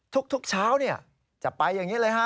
ทุกเช้าจะไปอย่างนี้เลยฮะ